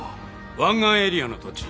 湾岸エリアの土地